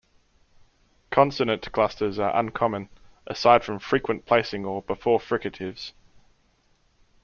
Consonant clusters are uncommon, aside from frequent placing or before fricatives.